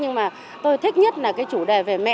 nhưng mà tôi thích nhất là cái chủ đề về mẹ